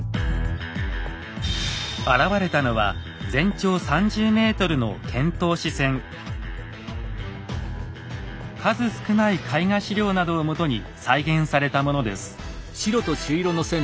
現れたのは数少ない絵画史料などをもとに再現されたものです。